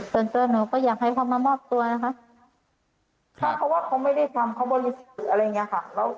เตือนหนูก็อยากให้พ่อมามอบตัวนะครับเขาว่าเขาไม่ได้ทำเขาบริษัทอะไรอย่างนี้ค่ะ